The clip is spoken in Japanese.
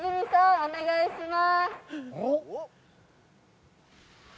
お願いします。